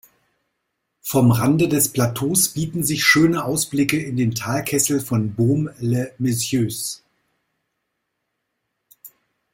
Vom Rand des Plateaus bieten sich schöne Ausblicke in den Talkessel von Baume-les-Messieurs.